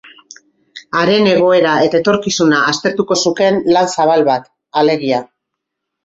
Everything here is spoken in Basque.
Haren egoera eta etorkizuna aztertuko zukeen lan zabal bat, alegia.